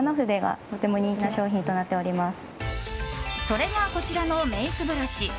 それが、こちらのメイクブラシ。